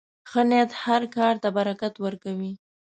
ښه نیت هر کار ته برکت ورکوي.